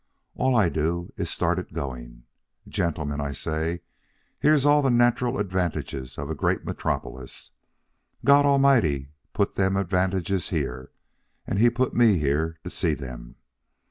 All I do is start it going. 'Gentlemen,' I say, 'here's all the natural advantages for a great metropolis. God Almighty put them advantages here, and he put me here to see them.